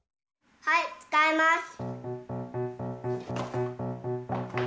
はいつかいます！